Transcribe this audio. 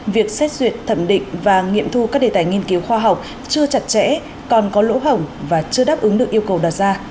việc xét duyệt thẩm định và nghiệm thu các đề tài nghiên cứu khoa học chưa chặt chẽ còn có lỗ hỏng và chưa đáp ứng được yêu cầu đặt ra